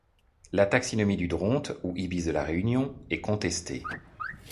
La taxinomie du Dronte ou Ibis de la Réunion est contestée.